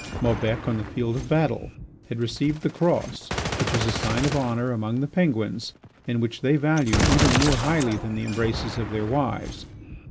Maubec, on the field of battle, had received the Cross, which is a sign of honour among the Penguins and which they valued even more highly than the embraces of their wives.